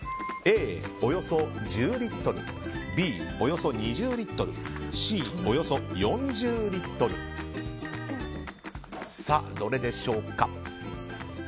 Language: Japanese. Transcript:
Ａ、およそ１０リットルＢ、およそ２０リットルＣ、およそ４０リットルどれでしょうか。